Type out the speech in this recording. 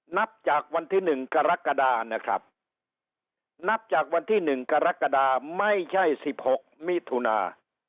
นับจากวันที่๑กรกฎานะครับนับจากวันที่๑กรกฎาไม่ใช่๑๖มิถุนา